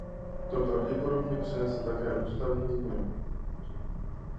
To pravděpodobně přinese také ústavní změnu.